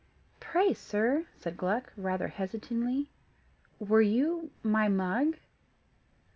"Pray, sir," said Gluck, rather hesitatingly, "were you my mug?"